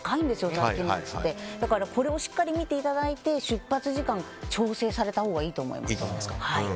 だから、これをしっかり見ていただいて出発時間を調整されたほうがいいと思います。